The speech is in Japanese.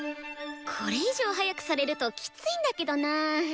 これ以上速くされるときついんだけどな。